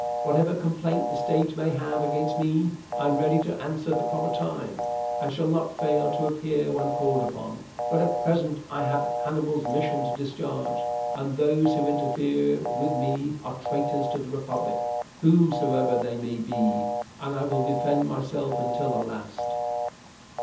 Whatever complaint the state may have against me I am ready to answer at the proper time, and shall not fail to appear when called upon; but at present I have Hannibal's mission to discharge, and those who interfere with me are traitors to the republic, whomsoever they may be, and I will defend myself until the last."